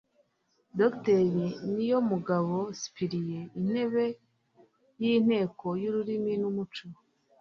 dr niyomugabo cyprien, intebe y'inteko y'ururimi n'umuco